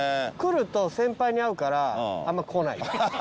来ると先輩に会うからあんま来ない。